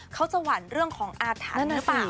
เขาจะหวั่นเรื่องของอาถรรพ์หรือเปล่า